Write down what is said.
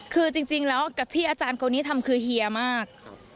คือจริงแล้วกับที่อาจารย์คนนี้ทำคือเฮียมาก